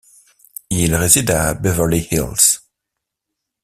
Il réside à Beverly Hills.